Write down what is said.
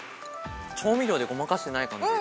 調味料でごまかしてない感じ。